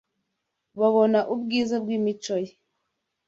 Babona ubwiza bw’imico ye